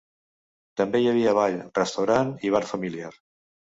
També hi havia ball, restaurant i bar familiar.